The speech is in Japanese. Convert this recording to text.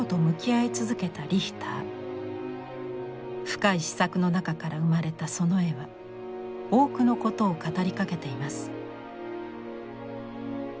深い思索の中から生まれたその絵は多くのことを語りかけています。